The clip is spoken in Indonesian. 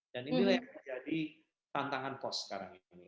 dan inilah yang menjadi tantangan pos sekarang ini